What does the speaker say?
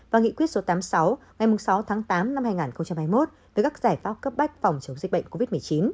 và nghị quyết số tám mươi sáu ngày sáu tháng tám năm hai nghìn hai mươi một với các giải pháp cấp bách phòng chống dịch bệnh covid một mươi chín